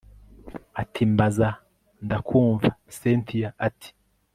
ati mbaza ndakumva cyntia ati